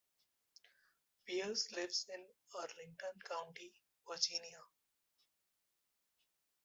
Bearss lives in Arlington County, Virginia.